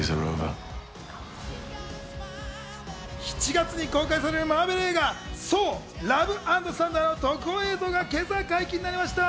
７月に公開されるマーベル映画『ソー：ラブ＆サンダー』の特報映像が今朝、解禁になりました。